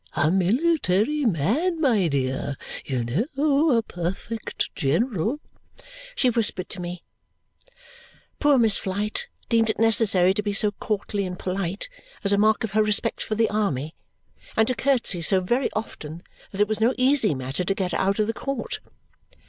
A military man, my dear. You know, a perfect general!" she whispered to me. Poor Miss Flite deemed it necessary to be so courtly and polite, as a mark of her respect for the army, and to curtsy so very often that it was no easy matter to get her out of the court.